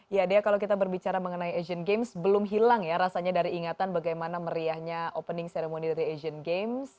ya dea kalau kita berbicara mengenai asian games belum hilang ya rasanya dari ingatan bagaimana meriahnya opening ceremony dari asian games